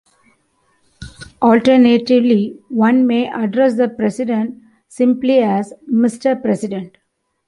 Alternatively, one may address the president simply as "Mr. President".